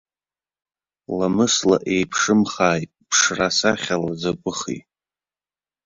Ламысла еиԥшымхааит, ԥшрасахьала закәыхи.